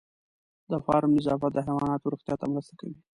د فارم نظافت د حیواناتو روغتیا ته مرسته کوي.